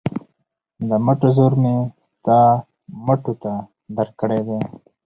د مټو زور مې ستا مټو ته درکړی دی.